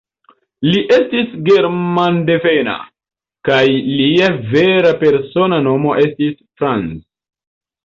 Li estis germandevena, kaj lia vera persona nomo estis "Franz".